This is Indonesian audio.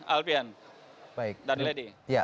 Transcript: alpian dan lady